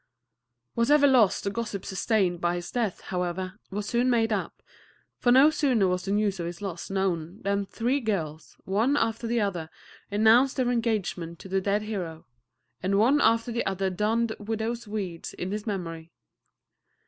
Whatever loss the gossips sustained by his death, however, was soon made up, for no sooner was the news of his loss known than three girls, one after the other, announced their engagement to the dead hero, and one after the other donned widow's weeds in his memory.